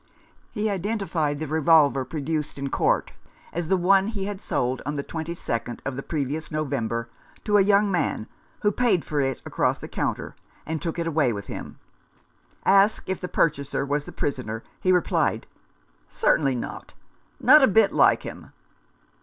He identified the revolver produced in court as one which he had sold on the 22nd of the previous November to a young man, who paid for it across the counter, and took it away with him. Asked if the purchaser was the prisoner, he replied, " Certainly not ! Not a bit like him."